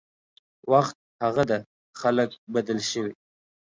وخت هغه ده خلک بدل شوي